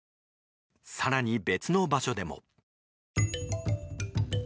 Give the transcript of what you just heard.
更に別の場所でも。